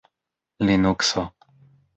linukso